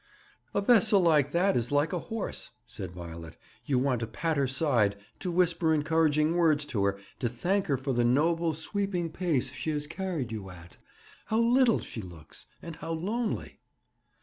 'A vessel like that is like a horse,' said Violet: 'you want to pat her side, to whisper encouraging words to her, to thank her for the noble, sweeping pace she has carried you at. How little she looks, and how lonely!'